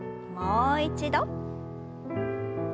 もう一度。